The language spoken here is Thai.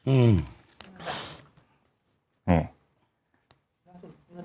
อือ